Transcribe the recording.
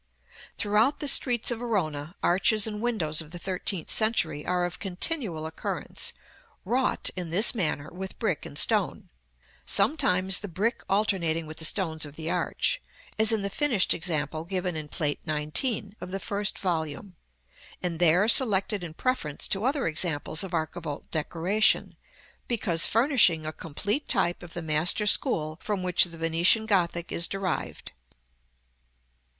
Throughout the streets of Verona, arches and windows of the thirteenth century are of continual occurrence, wrought, in this manner, with brick and stone; sometimes the brick alternating with the stones of the arch, as in the finished example given in Plate XIX. of the first volume, and there selected in preference to other examples of archivolt decoration, because furnishing a complete type of the master school from which the Venetian Gothic is derived.